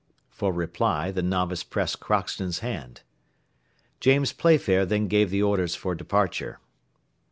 For reply the novice pressed Crockston's hand. James Playfair then gave the orders for departure.